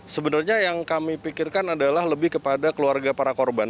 sebenarnya yang kami pikirkan adalah lebih kepada keluarga para korban